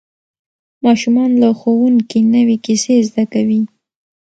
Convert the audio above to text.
ماشومان له ښوونکي نوې کیسې زده کوي